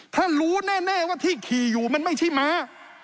ถ้ารู้แน่ว่าที่ขี่อยู่มันไม่ใช่ม้า